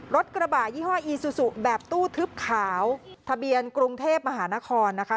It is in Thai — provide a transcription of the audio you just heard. รถกระบะยี่ห้ออีซูซูแบบตู้ทึบขาวทะเบียนกรุงเทพมหานครนะคะ